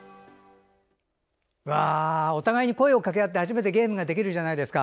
お互い、声をかけ合って初めてゲームができるじゃないですか。